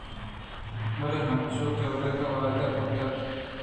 بلے انچوکہ وَرَگ ءِ وہد بُوت